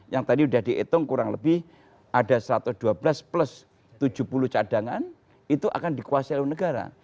yang tadi sudah dihitung kurang lebih ada satu ratus dua belas plus tujuh puluh cadangan itu akan dikuasai oleh negara